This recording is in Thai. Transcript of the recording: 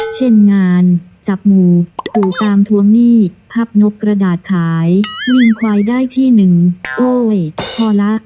เช่นงานจับงูขู่ตามทวงหนี้พับนกกระดาษขายลิงควายได้ที่หนึ่งโอ้ยพอละ